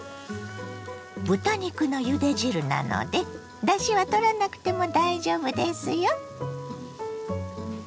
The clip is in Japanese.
豚肉のゆで汁なのでだしはとらなくても大丈夫ですよ。